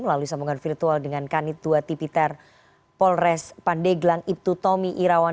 melalui sambungan virtual dengan kanitua tipiter polres pandeglang ibtu tomi irawan